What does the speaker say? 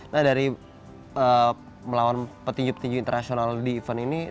nah dari melawan petinju petinju internasional di event ini